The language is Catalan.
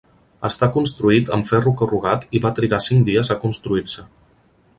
Està construït amb ferro corrugat i va trigar cinc dies a construir-se.